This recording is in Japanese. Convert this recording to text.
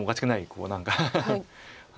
こう何か。